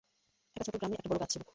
একটা ছোট গ্রামে একটা বড় গাছ ছিল।